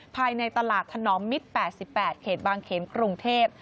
ภายในตลาดถนอมมิตร๘๘เขตบางเขนกรุงเทพ